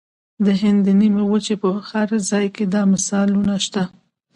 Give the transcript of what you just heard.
د هند د نیمې وچې په هر ځای کې دا مثالونه شته.